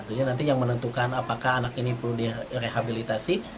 tentunya nanti yang menentukan apakah anak ini perlu direhabilitasi